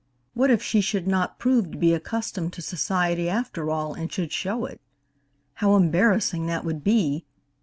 What if she should not prove to be accustomed to society, after all, and should show it? How embarrassing that would be!